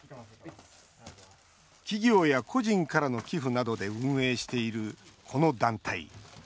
企業や個人からの寄付などで運営している、この団体。